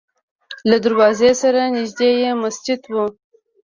له دروازې سره نږدې یې مسجد و.